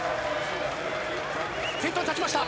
先頭に立ちました。